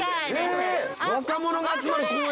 「若者が集まる公園」。